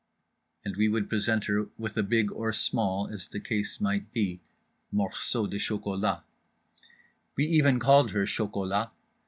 _" and we would present her with a big or small, as the case might be, morceau de chocolat. We even called her Chocolat.